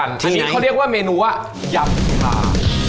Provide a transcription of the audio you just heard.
อันนี้เขาเรียกว่าเมนูว่ายำคา